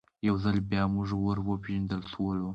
یو ځل بیا موږ ور وپېژندل سولو.